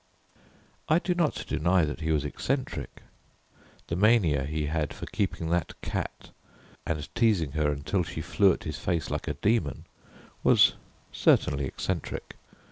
I do not deny that he was eccentric; the mania he had for keeping that cat and teasing her until she flew at his face like a demon, was certainly eccentric.